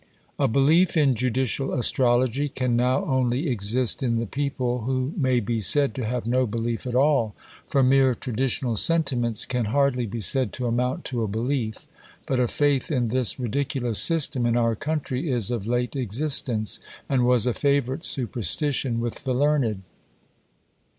A belief in judicial astrology can now only exist in the people, who may be said to have no belief at all; for mere traditional sentiments can hardly be said to amount to a belief. But a faith in this ridiculous system in our country is of late existence; and was a favourite superstition with the learned.